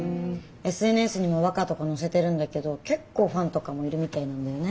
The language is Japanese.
ＳＮＳにも和歌とか載せてるんだけど結構ファンとかもいるみたいなんだよね。